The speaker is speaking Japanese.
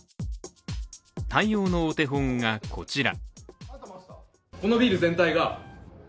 対応のお手本が、こちら。